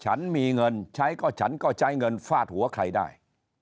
ฉันมีเงินใช้ก็ฉันก็ใช้เงินฟาดหัวใครได้